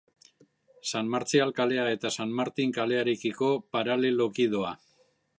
San Martzial kalea eta San Martin kalearekiko paraleloki doa.